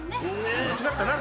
間違ったな。